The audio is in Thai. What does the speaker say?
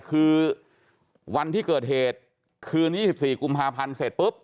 คือวันที่เกิดเหตุคืน๒๔กุมภาพันธ์เสร็จปุ๊บ